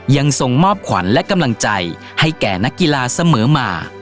ยังทรงมอบขวัญและกำลังใจให้แก่นักกีฬาเสมอมา